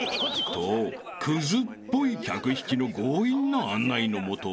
［とクズっぽい客引きの強引な案内のもと］